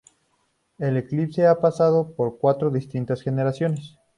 El Eclipse ha pasado por cuatro distintas generaciones.